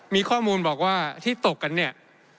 มีข้อมูลบอกว่าที่ตกกันเนี่ย